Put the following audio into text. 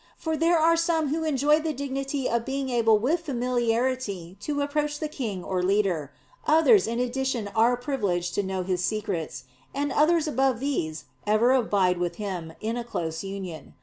For there are some who enjoy the dignity of being able with familiarity to approach the king or leader; others in addition are privileged to know his secrets; and others above these ever abide with him, in a close union.